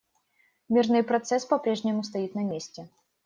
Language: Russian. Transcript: Мирный процесс попрежнему стоит на месте.